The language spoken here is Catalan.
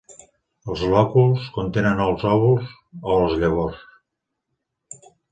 Els lòculs contenen els òvuls o les llavors.